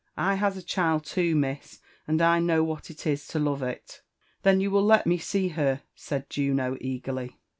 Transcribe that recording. I habmchil too, nisi» and i know what it is to lub it. "^ Then you will let me see her," said luno^eagarly.